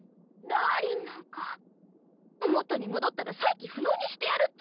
ダーリンなんか元に戻ったら再起不能にしてやるっちゃ。